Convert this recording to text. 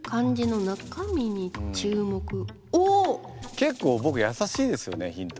結構ぼくやさしいですよねヒント。